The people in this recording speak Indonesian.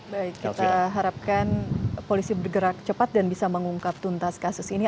baik kita harapkan polisi bergerak cepat dan bisa mengungkap tuntas kasus ini